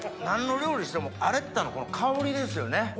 何の料理してもアレッタのこの香りですよね